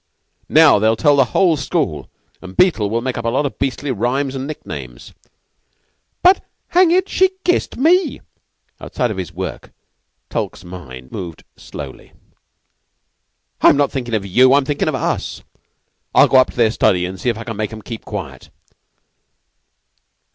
"Now they'll tell the whole school and Beetle'll make up a lot of beastly rhymes and nick names." "But, hang it, she kissed me!" Outside of his work, Tulke's mind moved slowly. "I'm not thinking of you. I'm thinking of us. I'll go up to their study and see if I can make 'em keep quiet!"